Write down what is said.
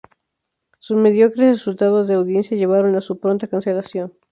Sus mediocres resultados de audiencia llevaron a su pronta cancelación.